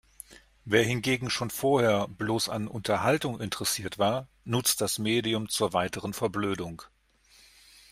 Wer hingegen schon vorher bloß an Unterhaltung interessiert war, nutzt das Medium zur weiteren Verblödung.